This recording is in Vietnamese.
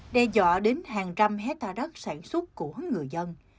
đe dọa đến hàng trăm hectare đất sản xuất của người dân